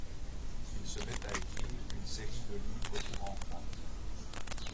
Il se met à écrire une série de livres pour enfants.